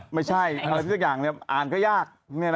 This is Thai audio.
ไม่ใช่อะไรสักอย่างอ่านก็ยาก